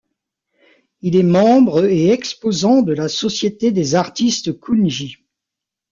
Il est membre et exposant de la Société des artistes Koundji.